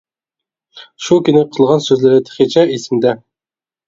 شۇ كۈنى قىلغان سۆزلىرى تېخىچە ئېسىمدە.